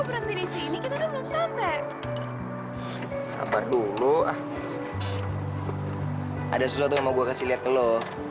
kok berhenti disini kita belum sampai sampai dulu ada sesuatu mau gue kasih lihat lo